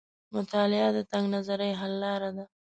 مطالعه د تنګ نظرۍ حل لار ده.